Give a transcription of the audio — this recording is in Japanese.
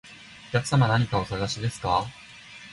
お客様、何かお探しですか？